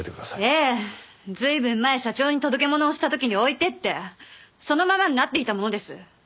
ええ随分前社長に届け物をした時に置いていってそのままになっていたものです。